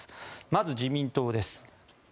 まず、自民党です。